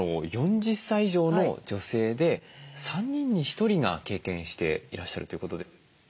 ４０歳以上の女性で３人に１人が経験していらっしゃるということで。